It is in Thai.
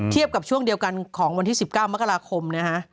กับช่วงเดียวกันของวันที่๑๙มกราคมนะฮะ